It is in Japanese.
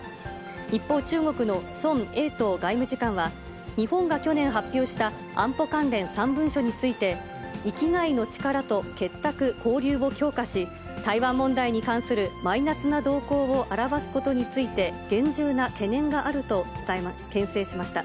一方、中国の孫衛東外務次官は、日本が去年発表した、安保関連３文書について、域外の力と結託・交流を強化し、台湾問題に関するマイナスな動向を表すことによって、厳重な懸念があるとけん制しました。